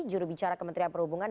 juru bicara kementerian perhubungan